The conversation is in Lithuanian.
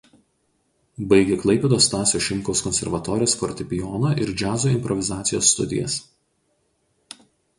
Baigė Klaipėdos Stasio Šimkaus konservatorijos fortepijono ir džiazo improvizacijos studijas.